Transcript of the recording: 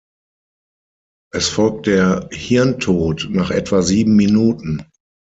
Es folgt der Hirntod nach etwa sieben Minuten.